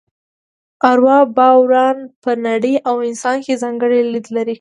اروا باوران په نړۍ او انسان کې ځانګړی لید لري.